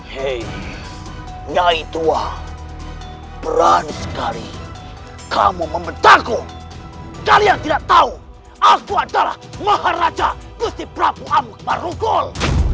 hei nyai tua berani sekali kamu membentangku kalian tidak tahu aku adalah maharaja gusti prabu amuk marukol